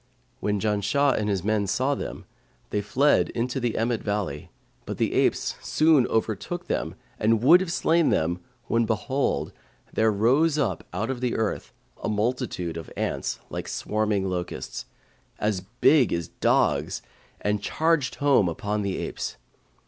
When Janshah and his men saw them, they fled into the Emmet valley; but the apes soon overtook them and would have slain them, when behold, there rose out of the earth a multitude of ants like swarming locusts, as big as dogs, and charged home upon the apes.